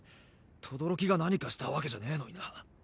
轟が何かしたわけじゃねぇのになぁ。